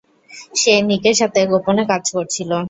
সে নিকের সাথে গোপনে কাজ করছিল।